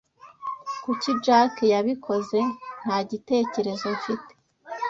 "Kuki Jack yabikoze?" "Nta gitekerezo mfite."